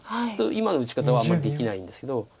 そうすると今の打ち方はあんまりできないんですけど。